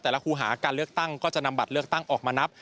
ครูหาการเลือกตั้งก็จะนำบัตรเลือกตั้งออกมานับ